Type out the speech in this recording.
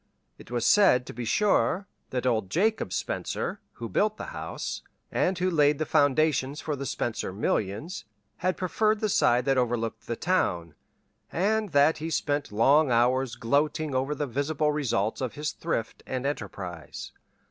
It was said, to be sure, that old Jacob Spencer, who built the house, and who laid the foundations for the Spencer millions, had preferred the side that overlooked the town; and that he spent long hours gloating over the visible results of his thrift and enterprise.